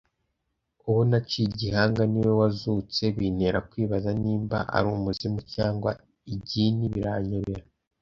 uwo naciye igihanga ni we wazutse bintera kwibaza nimba ari umuzimu cyangwa igini biranyobera